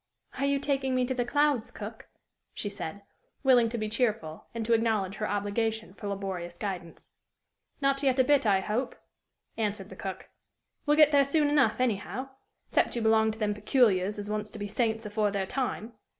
"Are you taking me to the clouds, cook?" she said, willing to be cheerful, and to acknowledge her obligation for laborious guidance. "Not yet a bit, I hope," answered the cook; "we'll get there soon enough, anyhow excep' you belong to them peculiars as wants to be saints afore their time.